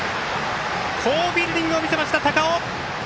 好フィールディングを見せました高尾。